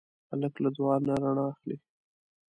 هلک له دعا نه رڼا اخلي.